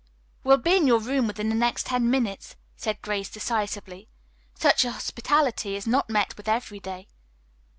"We will be in your room within the next ten minutes," said Grace decisively. "Such hospitality is not met with every day."